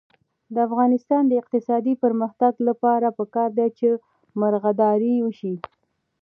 د افغانستان د اقتصادي پرمختګ لپاره پکار ده چې مرغداري وشي.